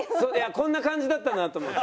こんな感じだったなと思って。